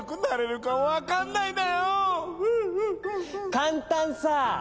かんたんさ。